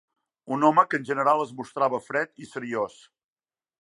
Un home que en general es mostrava fred i seriós.